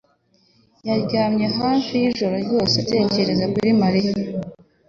yaryamye hafi ijoro ryose atekereza kuri Mariya